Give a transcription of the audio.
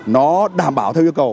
nó đảm bảo theo yêu cầu